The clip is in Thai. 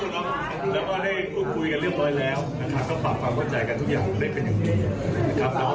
ต้องรับพูดให้พูดคุยกันเรียบร้อยแล้วต้องปรับความเข้าใจกันทุกอย่างไปได้เป็นอย่างนี้